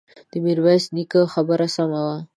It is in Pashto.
د ميرويس نيکه خبره سمه وه.